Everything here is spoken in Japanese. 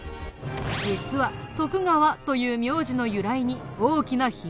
実は「徳川」という名字の由来に大きな秘密があるんだ。